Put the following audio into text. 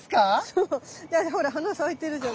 そうだってほら花咲いてるじゃん。